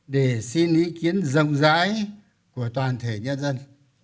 để xin ý kiến rộng rãi của toàn thể nhân dân